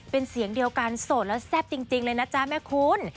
เป็นเสียงเดียวกันโสดแล้วแซ่บจริงเลยนะจ๊ะแม่คุณ